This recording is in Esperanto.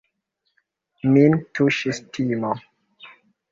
Min tuŝis timo.